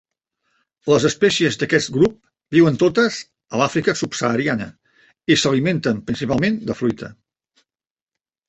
Les espècies d'aquest grup viuen totes a l'Àfrica subsahariana i s'alimenten principalment de fruita.